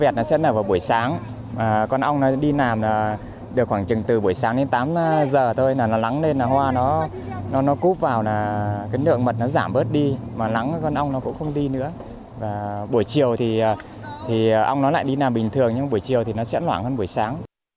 tí nào bình thường nhưng buổi chiều thì nó sẽ loảng hơn buổi sáng